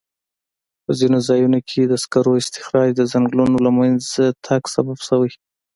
په ځینو ځایونو کې د سکرو استخراج د ځنګلونو له منځه تګ سبب شوی.